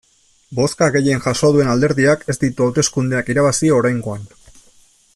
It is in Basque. Bozka gehien jaso duen alderdiak ez ditu hauteskundeak irabazi oraingoan.